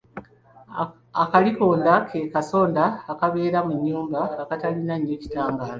Akalikonda ke kasonda akabeera mu nnyumba akatalina nnyo kitangaala.